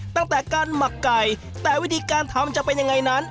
ตั้งแต่การหมักไก่แต่วิธีการทำจะเป็นยังไงนั้น